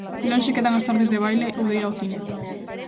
Lonxe quedan as tardes de baile ou de ir ao cine.